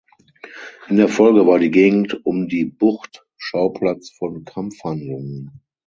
In der Folge war die Gegend um die Bucht Schauplatz von Kampfhandlungen.